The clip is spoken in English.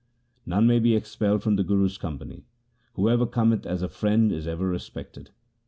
None may be expelled from the Guru's company ; whoever cometh as a friend is ever respected.'